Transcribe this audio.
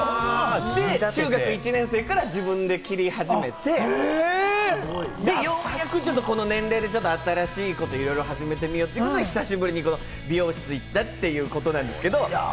中学１年生から自分で切り始めて、ようやくこの年齢で新しいことをいろいろ始めようってことで、久しぶりに美容室に行ったということなんですけれども。